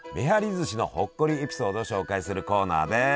ずしのほっこりエピソードを紹介するコーナーです！